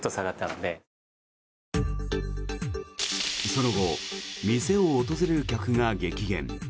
その後、店を訪れる客が激減。